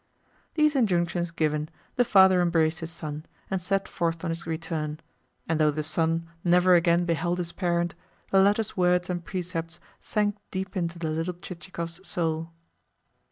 These injunctions given, the father embraced his son, and set forth on his return; and though the son never again beheld his parent, the latter's words and precepts sank deep into the little Chichikov's soul.